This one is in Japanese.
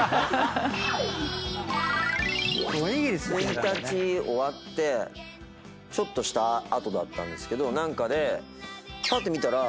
「１日終わってちょっとした後だったんですけど何かでぱって見たら」